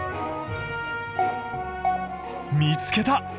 見つけた！